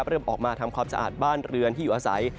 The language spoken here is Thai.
เริ่มออกมาทำความสะอาดบ้านเรือนที่อยู่อาศัย